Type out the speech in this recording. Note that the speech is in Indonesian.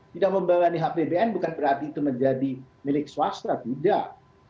tidak membebani apbn bukan berarti itu menjadi milik swasta tidak